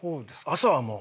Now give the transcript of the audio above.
朝はもう。